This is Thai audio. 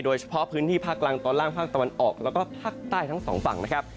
โดยเฉพาะพื้นที่ภาคกลางตอนล่างภาคตะวันออกแล้วก็ภาคใต้ทั้งสองฝั่งนะครับ